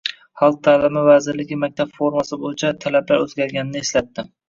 Xalq ta'limi vazirligi maktab formasi bo‘yicha talablar o‘zgarmaganini eslatdi